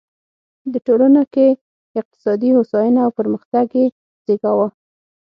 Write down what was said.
د ټولنه کې اقتصادي هوساینه او پرمختګ یې زېږاوه.